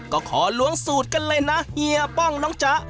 ก็ขอล้วงสูตรกันเลยนะเฮียป้องน้องจ๊ะ